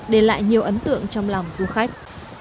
để lại nhiều ấn tượng trong lòng du khách